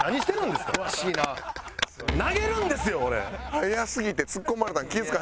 早すぎてツッコまれたん気ぃ付か